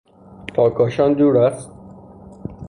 تا کاشان دور است؟